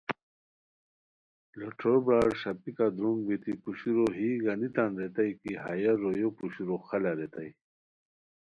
لوٹھورو برار ݰاپیکہ درونگ بیتی پوشورو یی گانی تان ریتائے کی ہیہ رویو پوشورو خالہ ریتائے